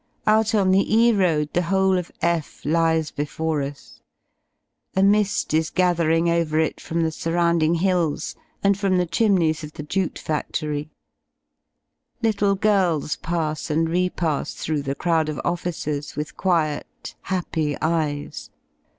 Out on the E Road the whole of F lies before us; a mi^ is gathering over it from the surrounding hills and from the chimneys of the jute fadlory. Little girls pass and re iss through the crowd of officers with quiet happy eyes.